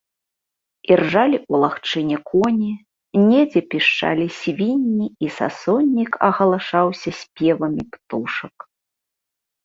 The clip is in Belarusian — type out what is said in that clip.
Іржалі ў лагчыне коні, недзе пішчалі свінні, і сасоннік агалашаўся спевамі птушак.